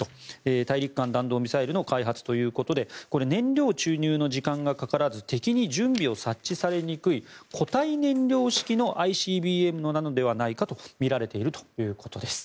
大陸間弾道ミサイルの開発ということでこれは燃料注入の時間がかからず敵に準備を察知されにくい固体燃料式のＩＣＢＭなのではないかとみられているということです。